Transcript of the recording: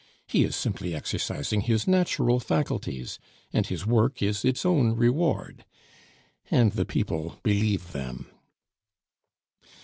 He is simply exercising his natural faculties, and his work is its own reward," and the people believe them.